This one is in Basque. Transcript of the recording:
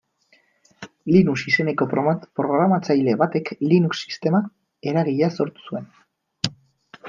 Linus izeneko programatzaile batek Linux sistema eragilea sortu zuen.